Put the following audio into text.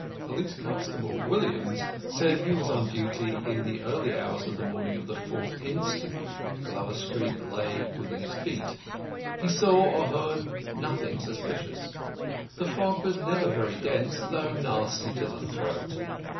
Police constable Williams said he was on duty in the early hours of the morning of the 4th inst. Glover Street lay within his beat. He saw or heard nothing suspicious. The fog was never very dense, though nasty to the throat.